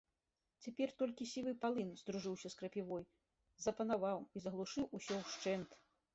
Цяпер толькі сівы палын, здружыўшыся з крапівой, запанаваў і заглушыў усё ўшчэнт.